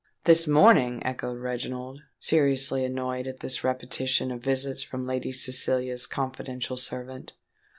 "This morning!" echoed Reginald, seriously annoyed at this repetition of visits from Lady Cecilia's confidential servant.